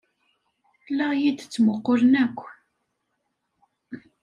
La iyi-d-ttmuqqulen akk.